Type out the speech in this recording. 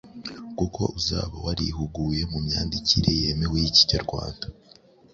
kuko uzaba warihuguye mu myandikire yemewe y’Ikinyarwanda